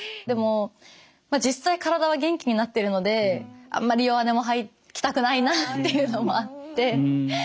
でも実際体は元気になってるのであんまり弱音も吐きたくないなっていうのもあって。